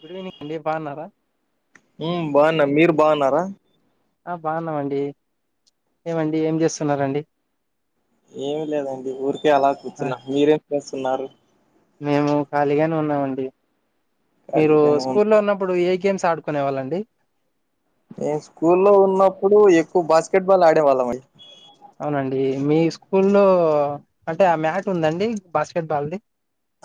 Good evening అండి బాగున్నారా మ్మ్ బాగున్నా మీరు బాగున్నారా ఆ బాగున్నామండి ఏమండి ఏం చేస్తున్నారండి ఏమి లేదండి ఊరికే అలా ఆ కూర్చున్నా మీరేం చేస్తున్నారు మేము ఖాళీగానే ఉన్నామండి మీరు ఖాళీగానే ఉన్ స్కూల్లో ఉన్నప్పుడు ఏ గేమ్స్ ఆడుకునే వాళ్ళండి మేం స్కూల్లో ఉన్నప్పుడు ఎక్కువ బాస్కెట్ బాల్ ఆడేవాళ్ళమండి అవునండి మీ స్కూల్లో అంటే ఆ మ్యాట్ ఉందా అండి బాస్కెట్ బాల్ది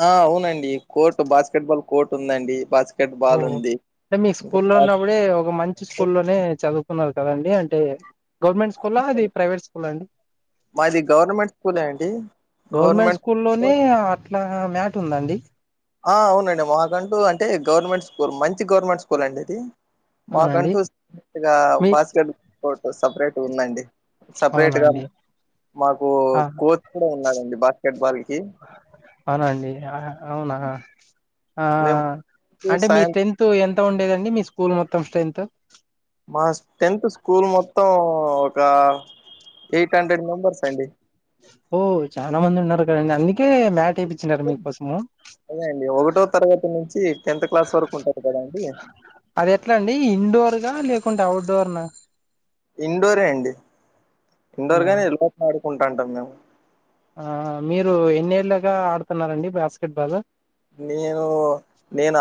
ఆ అవునండి కోర్ట్ బాస్కెట్ బాల్ కోర్ట్ ఉందండి బాస్కెట్ బాల్ ఓహో ఉంది అంటే మీ ఇంకా స్కూల్లో బాస్కెట్ ఉన్నప్పుడే ఒక మంచి స్కూల్లోనే చదువుకున్నా కదండి అంటే గవర్నమెంట్ స్కూలా అది అవునండి. ప్రైవేట్ స్కూలా అండి మాది గవర్నమెంట్ స్కూలే అండి గవర్నమెంట్ ఇట్లా మ్యాట్ ఉందండి ఆ అవునండి మాకంటూ అంటే గవర్నమెంట్ స్కూల్ మంచి గవర్నమెంట్ స్కూల్ అండి ఇది అవునండి మాకంటూ సపరేటు మీ బాస్కెట్ కోర్ట్ సపరేట్గా ఉందండి సపరేట్ గా అవునండి మాకు ఆ కోచ్ కూడా ఉన్నాడండి బాస్కెట్ బాల్ కి అవునండి ఆ అవునా ఆ ఆ మేము అంటే మీ సాయం స్ట్రెంత ఎంత ఎంత ఉండేదండి మీ స్కూల్ మొత్తం స్ట్రెంత్ మా టెన్త్ స్కూల్ స్కూల్ మొత్తం ఒక ఎయిట్ హండ్రెడ్ మెంబర్స్ అండి ఓ చాలా మంది ఉన్నారు కాదండి అందుకే మ్యాట్ వేపిచ్చినారు మీకోసము అదే అండి ఒకటో తరగతి నుంచి టెన్త్ క్లాస్ వరకు ఉంటరు కదా అండి అది ఎట్లా అండి ఇండోర్ నా లేకుంటే అవుట్ డోర్ నా ఇండోరే అండి ఇండోర్ అవునా? గానీ లోపల ఆడుకుంటాంటాం మేము ఆ మీరు ఎన్నేళ్లు గా ఆడుతున్నారండి బాస్కెట్ బాలు నేను నేను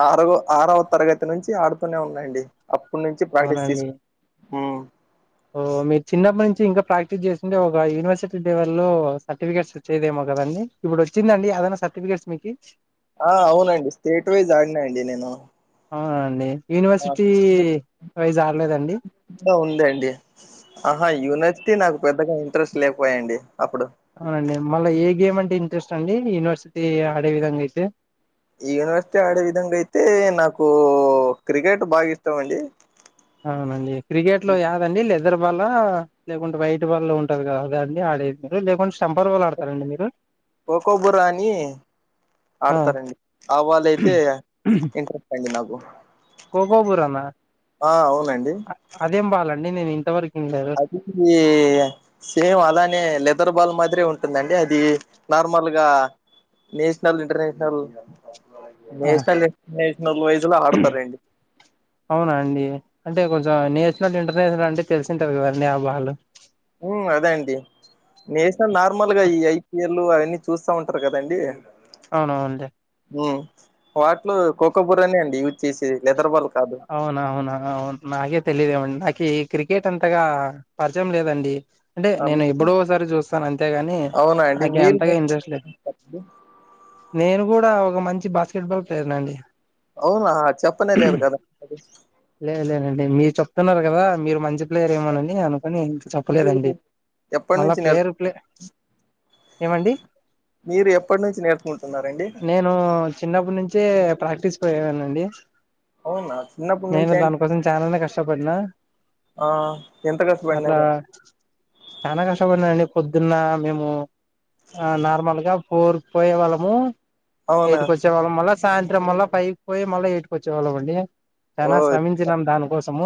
ఆరవ తరగతి నుంచి ఆడుతూనే ఉన్నాఅండి అప్పటి నుంచి ప్రాక్టీస్ తీసు అవునండి ఓ మీ చిన్నప్పటి నుంచి ఇంకా ప్రాక్టీస్ చేసి ఉంటే ఒక యూనివర్సిటీ లెవెల్ లో సర్టిఫికేట్ వచ్చేదేమో కదండి ఇప్పుడు వచ్చిందా అండి ఏదన్నా సర్టిఫికేట్స్ మీకిచ్చి ఆ అవునండి స్టేట్ వైజ్ ఆడినా అండి నేను అవునా అండి ఆడలేదండి ఉండే అండి ఆహా యూనజ్ అంటే నాకు పెద్దగా ఇంట్రెస్ట్ లేకపోయండి అప్పుడు అవునండి మళ్ళా ఏ గేమ్ అంటే ఇంట్రెస్ట్ అండి యూనివర్సిటీ ఆడే విధంగా అయితే యూనివర్సిటీ ఆడే విధంగా అయితే నాకు క్రికెట్ బాగా ఇష్టం అండి అవునండి క్రికెట్ లో ఆడండి లేదా ఇద్దరు వాళ్ళ లేకుంటే వైట్ వాళ్ళు ఉంటరు కాదా దాన్నే ఆడేది మీరు లేకుంటే స్టంపర్ వాళ్ళు ఆడతారండి మీరు కోకో బురాని ఆ ఆడుతారండి ఆ వాళ్లు అయితే ఇంట్రెస్ట్ అండి నాకు కోకోబురానా ఆ అవునండి అదేం బాలండి నేను ఇంతవరకు వినలేదు అది ది సేమ్ అలానే లెదర్ బాల్ మాదిరే ఉంట ఉంటుందండి అది నార్మల్ గా national international national international wise లో ఆడతారండి అవునా అండి అంటే కొంచెం నేషనల్ ఇంటర్నేషనల్ అంటే తెలిసి ఉంటది గా అంటే వాళ్ళు మ్ అదే అండి నేషనల నార్మల్గా ఈ ఐపిఎల్ ళ్ళు అవన్నీ చూస్తా ఉంటర్ కదండి అవునా అండి హ్మ్ వాట్లొ కోక బురానే అండి యూజ్ చేసది లెదర్ బల్ అవునా అవునా అవున్ నాకే తెలిదేమండ్ నాకె క్రికెట్ అంతగా పరిచయం లేదండి అంటె ఆ, నేన్ మీ- ఎప్పుడో ఒక్సారి చూస్తాను అంతేగాని అవునా అండి నాక మీరు అంతగా ఇంట్రెస్ట్ లేద్ నేను గుడా ఒక మంచి బాస్కెట్ బాల్ ప్లేయర్ ని అండి ఔనా చెప్పనే లేదు కదా అది లేద్ లేదండి మీర్ చెప్తున్నారు కదా మీరు మంచి ప్లేయర్ ఏమొనని అనుకొని ఇంత మీరు చెప్పలేదండి ఎప్పటి మళ్ళ నుంచి ప్లేయరు నేర్చుకు ప్లే ఏమండి మీరు ఎప్పటి నుంచి నేర్చుకుంటున్నారండి నేను చిన్నప్పుట్ నుంచే ప్రాక్ ఈస్ పోయేనండి అవునా చిన్నప్పటి నేను నుంచి అం దానికోసం చాలానే కష్టపడ్న ఆ ఎంత కష్టపడినవ్రా చానా కష బడ్డానండి పొద్దున్నా మేమూ ఆ నార్మల్గా ఫోరుకు పోయే వాళ్ళము అవునా ఎయిట్కి వచ్చే వాళ్ళం మళ్ళ సాయంత్రం మళ్ళ ఫైవ్ పోయి మళ్ళ ఎయిట్కి ఒచ్చేవాళ్ళం అండి ఓ చానా శ్రమించినాం దానికోసం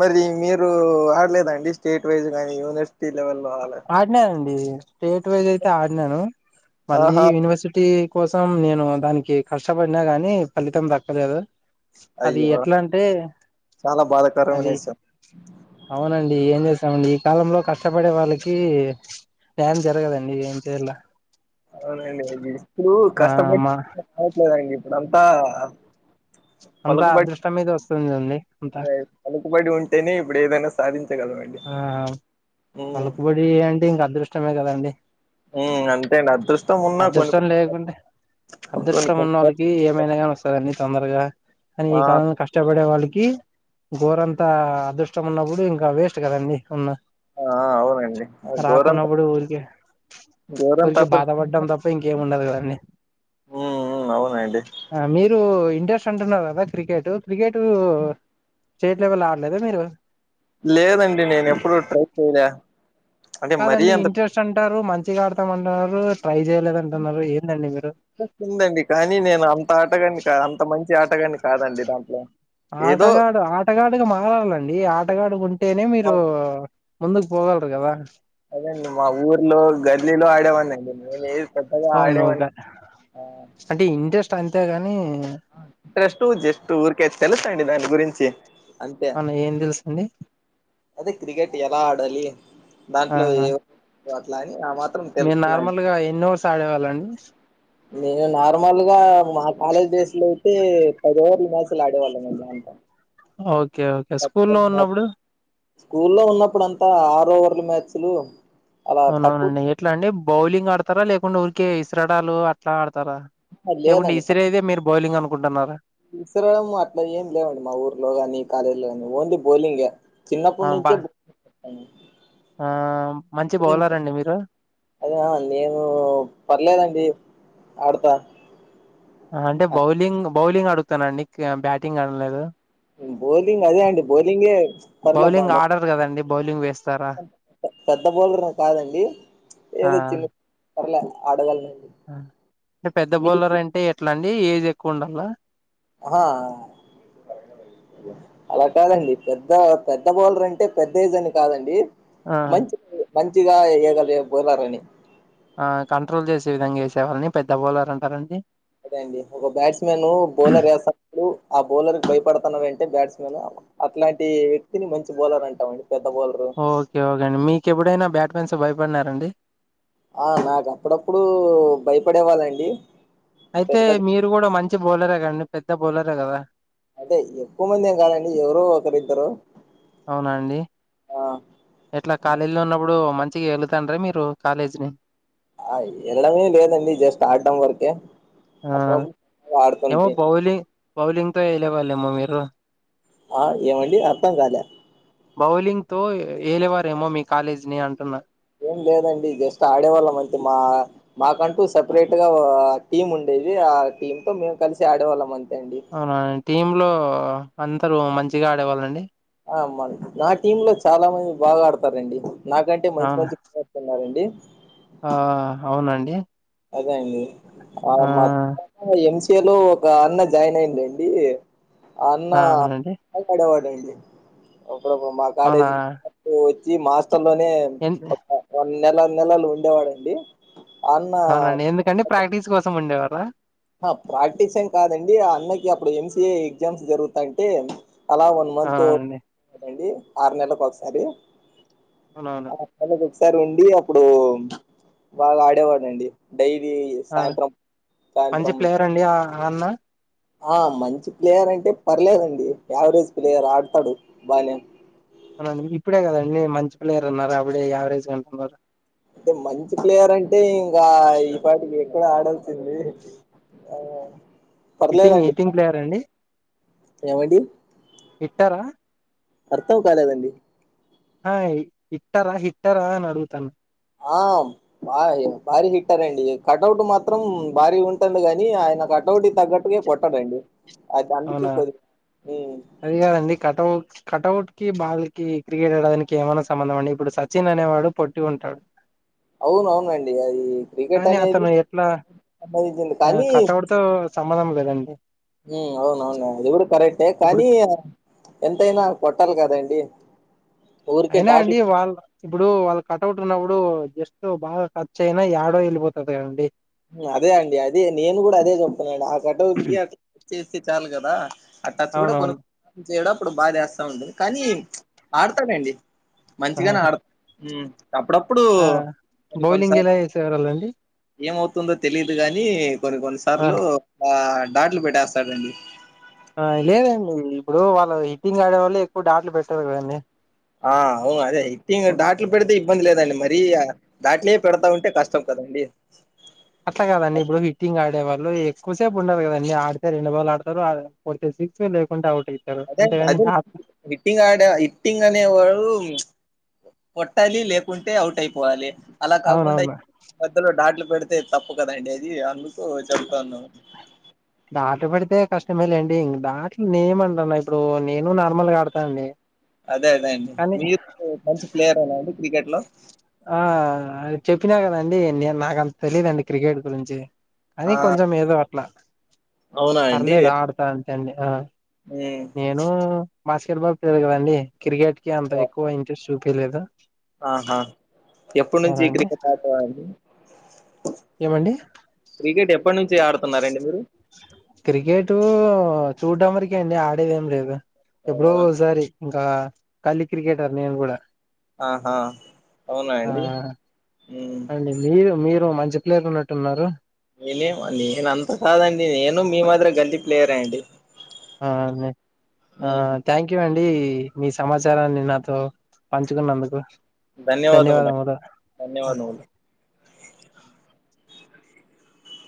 మరి మీరూ ఆడలేదండి స్టేట్ వైజ్ గానీ పెస్టీ లెవెలో ఆల ఆడినానండి స్టేట్ వైజ్ ఐతే ఆడినాను మళ్ళీ ఆహా యూనివర్సిటీ కోసం నేను దానికి కష్టపడినా గాని ఫలితం దక్కలేదు అదీ అయ్యో ఎట్లా అంటే చాలా బాధాకరమైన అది విషయం అవునండి ఏం చేస్త్ మండి ఈ కాలంలో కష్టపడే వాళ్ళకి పాన్ తిరగదండి ఏ చేల అవునండి అ ఇప్పుడు ఆ కష్టపడిటి మా రావట్లేదండి ఇప్పుడంతా అంతా పలుకుబడి అదృష్టం మీద వస్తుందండి అంతా పలుకుబడి ఉంటేనే ఇప్పుడు ఏదైనా సాధించ్ ఆ పలుకుబడి అంటే ఇంక అదృష్టమే కదండి మ్ అంతేనా అదృష్ అదృష్టం లేకుంటె సార్లు కొన్ని అదృష్టం కొన్ని ఉన్న ఓళ్ళకి సార్లు ఏమైనా గాని వస్తద్ అండి తొందరగా అనీ ఆ ఈ కాలం కష్టపడే వాళ్ళకి క ఘోరంతా అదృష్టం ఉన్నప్పుడు ఇంకా వేస్ట్ కదండి ఉన్న ఆ ఆ అవునండి గోరంత రాకున్నప్పుడు గోరంత అద్రు డం తప్ప ఇంకేం ఉండదు గద అండి హ్మ్ హ్మ్ అవునండి ఆ మీరు ఇంట్రెస్ట్ అంటున్నార్ గదా క్రికెటు క్రికెటూ స్టేట్ లెవెల్ ఆడలేద మీరు లేదండి నేన్ ఎప్పుడు ట్రై చేయలే అంటే మరీ కాదండి అంత ఇంట్రెస్ట్ అంటారు మంచిగా ఆడతామన్నారు ట్రై చేయలేద్ అంటున్నారు ఏందండి మీర్ స్ట్ ఉందండి కానీ నేను అంత ఆటగాన్ని కా అంత మంచి ఆటగాన్ని కాదండి దాంట్లో ఏదో ఆటగాడు ఆటగాడున్ మావలాండి ఆటగాడుకు ఉంటేనే మా మీరూ ముందుకు పోగల్రు గదా అదండి మా ఊర్లో గల్లీలో ఆడేవాడినండి నేను ఏది పెద్దగా ఔను ఆడేవాడిని ఘ అంటే ఇంట్రెస్ట్ అంతే గనీ ఇస్టూ జస్టు ఊరికే తెలుసండి దాని గురించి ఔన ఏం తెలిసింది అదె క్రికెట్ ఎలా ఆడాలి దాంట్లో ఏ అట్లా అని ఆ మాత్రం మీర్ తెలుసున్నాను నార్మల్ గా ఎన్నో సాడ్ వాళాండి నేను నార్మల్ గా మా కాలేజ్ డేస్ లో అయితే పది ఓవర్ల మ్యాచ్లు ఆడేవాళ్ళమండి అంతా ఓకే ఓకే స్కూ లో ఉన్నప్పుడు స్కూల్లో ఉన్నప్పుడు అంతా ఆరు ఓవర్ల్ మ్యాచ్లు అలా తక్కువ అవునవునండి ఎట్ల అండి బౌలింగ్ ఆడతారా లేకుంటడా ఊరికే ఇస్రడాలు అట్లా ఆడతారా ఏవండీ ఇసిరెదే మీరు బౌలింగ్ అనుకుంటున్నారా తీసురావడడం అట్లా ఏం లేవండి మా ఊర్లో ని కాలేజీలో ని ఓన్లీ బౌలింగ ఆ చిన్నప్పటి బా నుంచే ఆ మంచి బౌలర్ అండి మీరు అద నేను పర్లేదండి ఆడతా అంటే బౌలింగ్ బౌలింగ్ అడుగుతానండి బ్యాటింగ్ అడలేదు బౌలింగ్ అదే అండి బౌలింగే పర్లే బౌలింగ్ బాల ఆడరు కదండి బౌలింగ్ వేస్ పెద్ద బోలరు కాదండి ఆ ఏదో చిన్న పర్ల ఆడగలను ఆ అంటే పెద్ద బొలర అంటే ఎట్లా అండి ఏజ్ ఎక్కువ ఉండాల ఆహ అలా కాదండి పెద్ద పెద్ద బౌలర్ అంటే పెద్ద ఏజ్ అని కాదండి ఆ మంచి మంచిగా ఏయగలిగే బోలరని ఆ కంట్రోల్ చేసే విధంగా ఏసేవాళ్ళని పెద్ద బౌలర్ అంటారండి అదే అండి ఒక బ్యాట్స్ మన్ బౌలర్ ఏసెప్పుడు ఆ బౌలర్ కి భయపడుతున్నాడంటే బ్యాట్స్మెన్ అట్లాంటి వ్యక్తిని మంచి బౌలర్ అంటామండి పెద్ద బౌలరు ఓకే ఓకే అండి మీకెప్పుడైనా బ్యాట్మెన్స్ భయపడినారండి ఆ నాకు అప్పుడప్పుడు భయపడేవాళ్ళండి అయితే పెద్ద పెద్ద మీరు కూడా మంచి బౌలరే గదండి పెద్ద బౌలరే గదా అంటే ఎక్కువ మంది ఏం కాదండి ఎవరు ఒకరిద్దరు అవునండి ఆ ఎట్లా కాలేజీలో ఉన్నప్పుడు మంచిగా ఏళతాండ్ర మీరు కాలేజీ ని ఆ ఏళ్డమే లేదండి జస్ట్ ఆడడం వరకే ఆ అప్పుడప్పుడు ఏమో ఆడుతుంటి బౌలింగ్ బౌలింగ్తో ఏలే వాళ్ళేమో మీరు ఆ ఏ వండి అర్ధం కాల బౌలింగ్ తో ఏలేవారేమో మీ కాలేజీ ని అంటున్నా ఏం లేదండి జస్ట్ ఆడేవాళ్ళం అంతే మా మాకంటూ సపరేట్ గా ఒక టీమ్ ఉండే ది ఆ టీమ్ తో మేము కలిసి ఆడేవాళ్ళం అం అవునా టీమ్ లో అందరు మంచిగా ఆడేవాళ్ళండి అ మ నా టీమ్ లో చాలా మంది బాగా ఆడతారండి నాకంటే మంచి అవునా మంచి ప్లేయర్స్ ఉన్నారండి ఆ అవునండి అదే అండి ఆ మా ఎంసిఏ లో ఒక అన్న జాయిన్ అయిండండి ఆ అన్నా అవునండి కడవడింది ఇప్పుడు మా అవునా కాలేజీకి వెళ్డు అపుడు వచ్చి మాస్టర్లనే ఎన్ నెల నెలలు ఉండేవాడండి అన్న అవునండి ఎందుకండి ప్రాక్టీస్ కోసం ఉండేవార ఆ ప్రాక్టీస ఏం కాదండి ఆ అన్నకి అప్పుడు ఎంసిఏ ఎగ్జామ్స్ జరుగుతాంటే అలా వన్ మంత్ అవునండి ఆరు నెలలకు ఒకసారి అవునవునండి అక్కకి ఒకసారి ఉండి అప్పుడు బాగా ఆడేవాడండి డైలీ ఆ సాయంత్రం మంచి సాయంత్రం ప్లేయర్ అండి ఆ అన్న ఆ మంచి ప్లేయర్ అంటే పర్లేదండి యావరేజ్ ప్లేయర్ ఆడతాడు బానే అవుండి ఇప్పుడే కదండి మంచి ప్లేయర్ అన్నారు అప్పుడే యావరేజ్ అంటున్నారు అంటే మంచి ప్లేయర్ అంటే ఇంకా ఈ పాటికి ఇక్కడ ఆడల్సింది ఆ హిట్టింగ్ పర్లేదండి హిట్టింగ్ ప్లేయర్ అండి ఎవండి ట్టరా అర్థం కాలేదండి ఆ ఇట్టర హిట్టర అని అడుగుతన ఆ ఆ ఇగ భారీ హిట్టరండి కటౌట్ మాత్రం భారీ ఉంటుంది గాని ఆయన గ కటౌటి తగ్గటు కొట్టడండి అది అందుకే అవునా కొ అది గాదండి కటౌట్స్ కటౌటుకి బాల్కీ క్రికెట్ ఆడడానికి ఏమైనా సంబంధం అండి ఇప్పుడు సచిన్ అనేవాడు పొట్టిగుంటాడు అవున అవునండి అది క్రికెట్ కానీ అనేది అతను ఎట్లా సంపాదించింది ఆ, కానీ కటౌట్ తో సంబంధం లేదండి. ఉమ్ అవునవును అది కూడా కరెక్టే ఇప్పుడు కానీ ఎంతైనా కొట్టాలి కదండి. ఊరికే అయినా డాట్లు అండి వాళ్ళ ఇప్పుడు వాళ్ళ. ట్ ఉన్నప్పుడు జస్ట్ బాగా టచ్ అయినా యాడో వెళ్ళిపోతది కదండి. అదే అండి అదే నేను కూడా అదే చెప్తున్నాండి ఆ కటౌట్కి అట్లా చ్చేస్తే చాలు కదా. ఆ టచ్ కూడా అవునవును కొన్ని చేయడం అప్పుడు బాదేస్తా ఉంటంది కానీ ఆడతాడండి. మంచిగానే ఆహా. ఆడత ఉమ్. అప్పుడప్పుడు ఆ కొన్ని బౌలింగ్ కొన్నిసార్లు ఎలా చేసేవాళ్ళండి ఏమవుతు. దో తెలిదు గాని కొన్ని ఆ, కొన్నిసార్లు బా డేట్లు పెట్టేస్తాడండి. ఆ లేదండి ఇప్పుడు వాళ్ళ హిట్టింగ్ ఆడే వల్లే ఎక్కువ డాట్లు పెట్టారు కదండి. ఆ అవును అదే ఎక్టింగ్ డాట్లు పెడితే ఇబ్బంది లేదండి మరి డాట్లే పెడతా ఉంటే కష్టం కద. అండి. అట్లా కాదండి ఇప్పుడు హిట్టింగ్ ఆడేవాళ్ళు. కుసేపు ఉండదు కదా అండి ఆడితే రెండు బాలు అడ్తరు కొడితే సిక్స్ లేకుంటే అవుట్. అయితారు అదే అంతేగాని అది డాట్ హిట్టింగ్ ఆడ హిటింగ్ అనే వాళ్ళు. కొట్టాలి లేకుంటే అవుట్ అయిపోవాలి అలా కాకుండా అవునవును మద్దలో డాట్లు. పెడితే తప్పు కదండి అది అందుకో చెప్తున్నా దాట పడితే కష్టమేలేండి ఇం దాట్లు నేమంటన్న ఇప్పుడు నేను నార్మల్గా ఆడతాను అండి అదే అదే అండి మీరు మంచి ప్లేయర్ అయిన క్రికెట్ లో ఆ అ చెప్పినా కదండి నే నాకంత తెలీదుండి క్రికెట్ గురించి కానీ ఆ కొంచం ఏదో అట్లా అవునా అండి పర్లేదు ఆడతారుంతే అండి ఆ ఉమ్ నేను బాస్కెట్ బాల్ ప్లర్ కదండి క్రికెట్ కి అంత ఎక్కువ ఇంట్రెస్ట్ చూపలేదు ఆహా ఎప్పుడు నుంచి అవునండి క్రికెట్ ఆటేవాడి ఏమండి నుంచి ఆడుతున్నారండి మీరు క్రికెట్ చూడ్ట వరకే అండి ఆడేదిేం లేదు ఎప్పుడో అవును. ఒకసారి ఇంకా కలి క్రికెటర్ నేను కూడాడా ఆహా అవునా ఆ అండి ఉమ్ అండి మీరు మీరు మంచి జప్లేరు ఉన్నట్టున్నారు నేనే నేను అంత కాదండి నేను మీ మాదిర గల్తీ ప్లేయర్ అండి ఆ ఆ ఉమ్ థ్యాంక్ యూ అండి మీ సమాచారాన్ని నాతో పంచుకున్నందుకు ధన్యవాదములు ధన్యవాదటా ధన్యవాదములు [unintelligible]